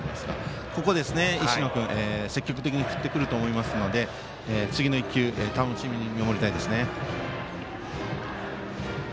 ここで石野君、積極的に振ってくると思いますので次の１球楽しみに見守りたいです。